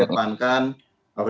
ya kita akan mendekatkan